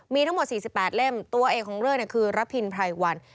มีทั้งหมด๔๘เล่มตัวเอกของเรื่องคือระพินไพรวัน